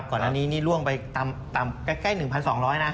ก่อนแล้วนี้นี่ล่วงไปใกล้๑๒๐๐นะ